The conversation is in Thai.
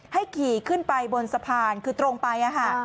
ขี่ขึ้นไปบนสะพานคือตรงไป